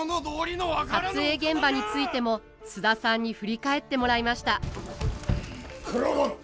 撮影現場についても菅田さんに振り返ってもらいました九郎殿！